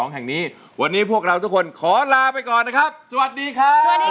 แห่งนี้วันนี้พวกเราทุกคนขอลาไปก่อนนะครับสวัสดีค่ะ